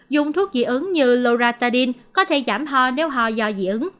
dùng thuốc dị ứng như loratadine có thể giảm ho nếu ho do dị ứng